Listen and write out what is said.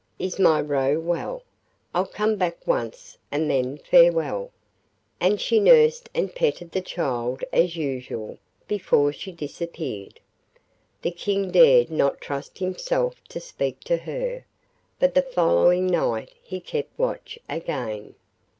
Is my Roe well? I'll come back once and then farewell.' And she nursed and petted the child as usual before she disappeared. The King dared not trust himself to speak to her, but the following night he kept watch again.